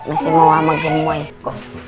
masih mau lama gemuk